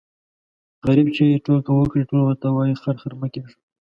غريب چي ټوکه وکړي ټول ورته وايي خر خر مه کېږه.